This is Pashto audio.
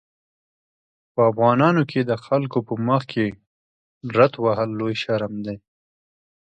په افغانانو کې د خلکو په مخکې ډرت وهل لوی شرم دی.